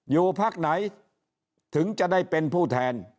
อยู่พักไหนถึงจะได้เป็นผู้แทน